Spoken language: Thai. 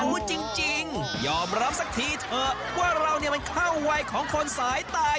รู้จริงยอมรับสักทีเถอะว่าเราเนี่ยมันเข้าวัยของคนสายตาย